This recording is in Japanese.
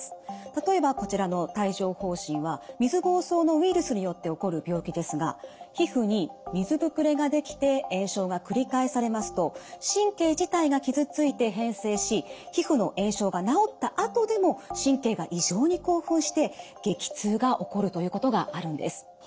例えばこちらの帯状ほう疹は水ぼうそうのウイルスによって起こる病気ですが皮膚に水ぶくれが出来て炎症が繰り返されますと神経自体が傷ついて変性し皮膚の炎症が治ったあとでも神経が異常に興奮して激痛が起こるということがあるんです。